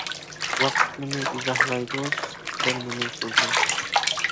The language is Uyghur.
ۋاقىت مېنى ئىزاھلايدۇ، سۈكۈتلەر مېنى سۆزلەيدۇ.